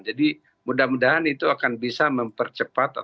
jadi mudah mudahan itu akan bisa mempertimbangkan